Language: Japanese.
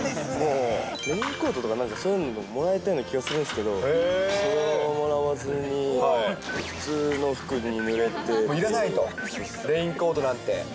レインコートとか、そういうのもらえたような気がするんですけど、それをもらわずに、いらないと、レインコートなんて。